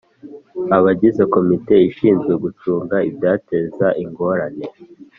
Abagize komite ishinzwe gucunga ibyateza ingorane